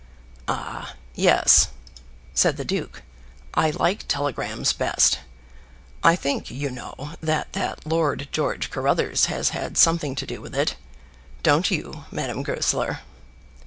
"Ah; yes," said the duke; "I like telegrams best. I think, you know, that that Lord George Carruthers has had something to do with it. Don't you, Madame Goesler?"